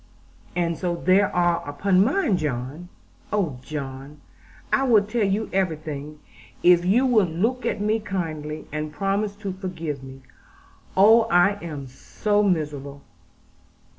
'And so there are upon mine, John. Oh, John, I will tell you everything, if you will look at me kindly, and promise to forgive me. Oh, I am so miserable!'